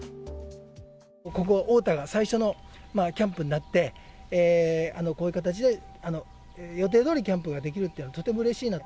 ここ太田が最初のキャンプになって、こういう形で予定どおりキャンプができるというのは、とてもうれしいなと。